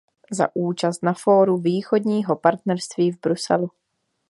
Za účast na fóru Východního partnerství v Bruselu.